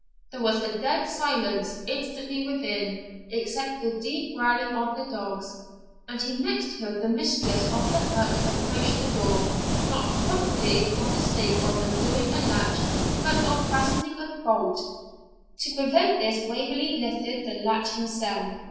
There was a dead silence instantly within, except the deep growling of the dogs; and he next heard the mistress of the hut approach the door, not probably for the sake of undoing a latch, but of fastening a bolt. To prevent this Waverley lifted the latch himself.